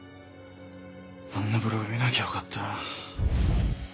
あんなブログ見なきゃよかったな。